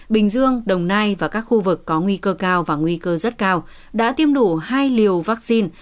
bình dương đồng nai và các khu vực có nguy cơ cao và nguy cơ rất cao đã tiêm đủ hai liều vaccine